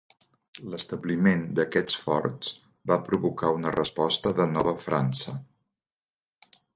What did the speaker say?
L'establiment d'aquests forts va provocar una resposta de Nova França.